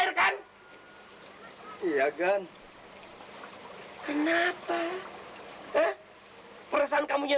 tidak ada suatu perguruan